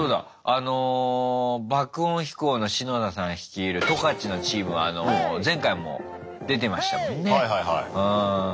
あの爆音飛行のしのださん率いる十勝のチームは前回も出てましたもんね。